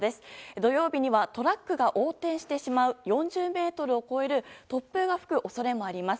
土曜日にはトラックが横転してしまう４０メートルを超える突風が吹く恐れもあります。